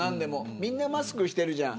みんなマスクしてるじゃん。